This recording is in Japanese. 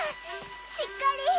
しっかり！